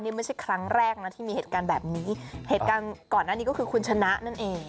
นี่ไม่ใช่ครั้งแรกนะที่มีเหตุการณ์แบบนี้เหตุการณ์ก่อนหน้านี้ก็คือคุณชนะนั่นเอง